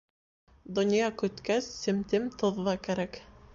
Донъя көткәс, семтем тоҙ ҙа кәрәк.